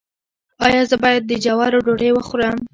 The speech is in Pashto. ایا زه باید د جوارو ډوډۍ وخورم؟